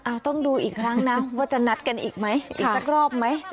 ต้องดูอีกครั้งนะว่าจะนัดกันอีกไหมอีกสักรอบไหม